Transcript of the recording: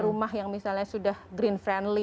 rumah yang misalnya sudah green friendly